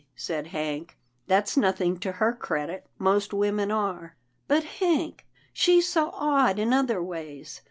said Hank, "that's nothing to her credit, most women are." " But Hank, she's so odd in other ways.